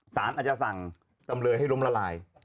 สารอาจจะสั่งจำเลยให้ล้มละลาย